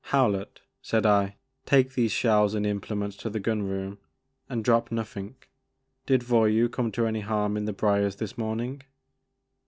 '* Howlett," said I, take these shells and im plements to the gun room, and drop nothing. Did Voyou come to any harm in the briers this morning?"